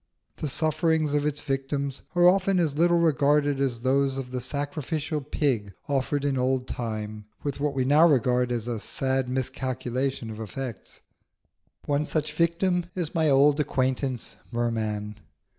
The sufferings of its victims are often as little regarded as those of the sacrificial pig offered in old time, with what we now regard as a sad miscalculation of effects. One such victim is my old acquaintance Merman.